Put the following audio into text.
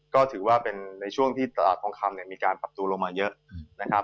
ก็ถือว่าเป็นในช่วงที่ตลาดทองคำเนี่ยมีการปรับตัวลงมาเยอะนะครับ